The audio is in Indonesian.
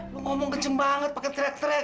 lo ngomong kenceng banget pakai tret tret